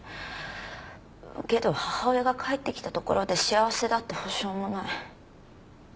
けど母親が帰ってきたところで幸せだって保証もない。